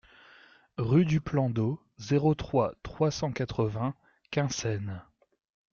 Rue du Plan d'Eau, zéro trois, trois cent quatre-vingts Quinssaines